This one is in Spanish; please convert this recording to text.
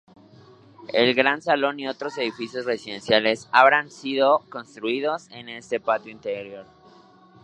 El gran salón y otros edificios residenciales habrían sido construidos en este patio interior.